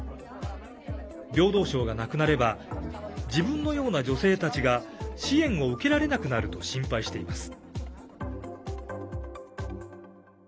平等省がなくなれば自分のような女性たちが支援を受けられなくなると心配しています。